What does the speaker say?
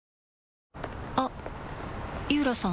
あっ井浦さん